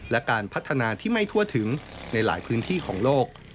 และการพัฒนาที่ไม่ทั่วถึงในหลายพื้นที่ของโลก